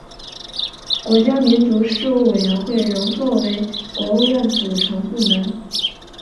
国家民族事务委员会仍作为国务院组成部门。